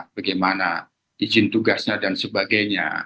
bagaimana izin tugasnya dan sebagainya